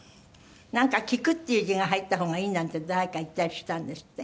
なんか「菊」っていう字が入った方がいいなんて誰か言ったりしたんですって？